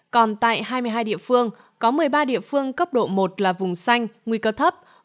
còn tại hai mươi hai địa phương có một mươi ba địa phương cấp độ một là vùng xanh nguy cơ thấp